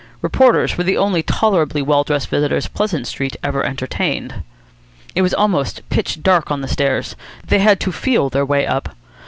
Reporters were the only tolerably well dressed visitors Pleasant Street ever entertained. It was almost pitch dark on the stairs. They had to feel their way up.